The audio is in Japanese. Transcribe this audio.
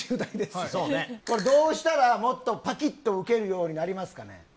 どうしたらもっとパキっとウケるようになりますかね？